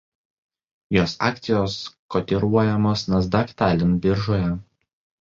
Jos akcijos kotiruojamos "Nasdaq Tallinn" biržoje.